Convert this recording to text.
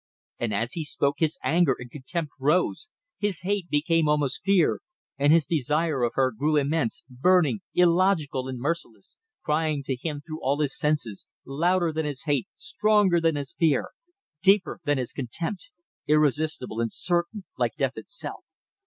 And as he spoke his anger and contempt rose, his hate became almost fear; and his desire of her grew immense, burning, illogical and merciless; crying to him through all his senses; louder than his hate, stronger than his fear, deeper than his contempt irresistible and certain like death itself.